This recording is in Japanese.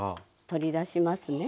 取り出しますね。